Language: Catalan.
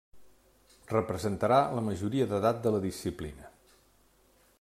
Representarà la majoria d'edat de la disciplina.